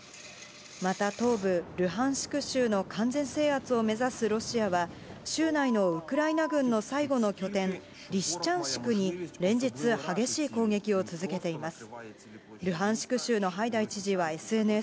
また、東部ルハンシク州の完全制圧を目指すロシアは、州内のウクライナ軍の最後の拠点、リシチャンシクに連日、激しい攻撃を続けています。